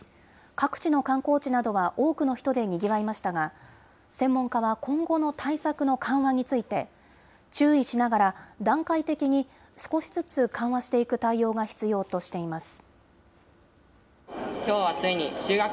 各地の観光地などは、多くの人でにぎわいましたが、専門家は今後の対策の緩和について、注意しながら段階的に、少しずつ緩和していく対応が必要としています。